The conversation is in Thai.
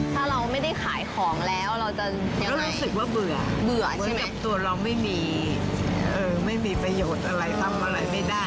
ถ้าเราไม่ได้ขายของแล้วเราจะเหมือนกับตัวเราไม่มีประโยชน์อะไรทำอะไรไม่ได้